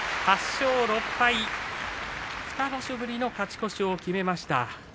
８勝６敗、２場所ぶりの勝ち越しを決めました。